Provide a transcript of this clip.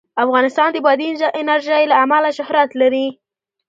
افغانستان د بادي انرژي له امله شهرت لري.